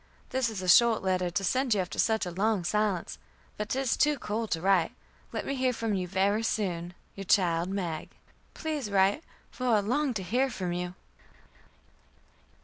This is a short letter to send you after such a long silence, but 'tis too cold to write. Let me hear from you very soon. "Your child MAG. "Please write, for I long to hear from you."